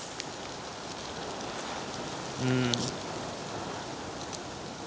うん。